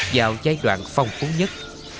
vào giai đoạn phong phú nhất